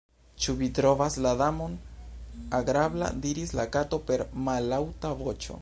"Ĉu vi trovas la Damon agrabla?" diris la Kato per mallaŭta voĉo.